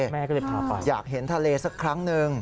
แม่ก็เลยพาไปอยากเห็นทะเลสักครั้งหนึ่ง